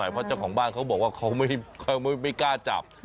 เพราะเจ้าของบ้านเขาบอกว่าเขาไม่กล้าจับ